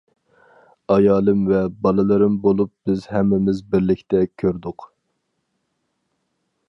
ئايالىم ۋە بالىلىرىم بولۇپ بىز ھەممىمىز بىرلىكتە كۆردۇق.